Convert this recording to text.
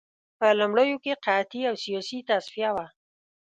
په لومړیو کې قحطي او سیاسي تصفیه وه